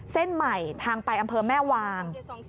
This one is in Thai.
เส้นใหม่ทางไปอำเภอแม่วาง